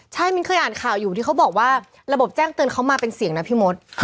ใช่มิ้นเคยอ่านข่าวอยู่ที่เขาบอกว่าระบบแจ้งเตือนเขามาเป็นเสียงนะพี่มด